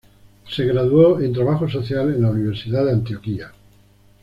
Se graduó en Trabajo social en la Universidad de Antioquia.